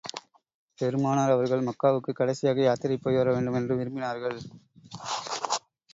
பெருமானார் அவர்கள், மக்காவுக்குக் கடைசியாக யாத்திரை போய் வர வேண்டும் என்று விரும்பினார்கள்.